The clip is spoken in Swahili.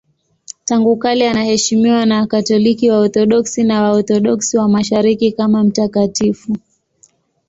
Tangu kale anaheshimiwa na Wakatoliki, Waorthodoksi na Waorthodoksi wa Mashariki kama mtakatifu.